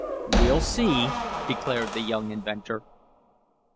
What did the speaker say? "We'll see," declared the young inventor.